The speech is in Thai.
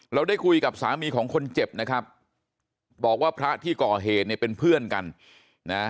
เราได้คุยกับสามีของคนเจ็บนะครับบอกว่าพระที่ก่อเหตุเนี่ยเป็นเพื่อนกันนะ